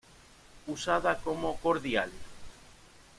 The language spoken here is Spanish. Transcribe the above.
Usada como cordial.